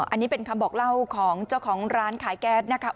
อันนี้เป็นคำบอกเล่าของเจ้าของร้านขายแก๊สนะคะ